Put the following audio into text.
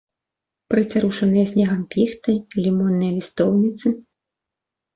Прыцярушаныя снегам піхты, лімонныя лістоўніцы.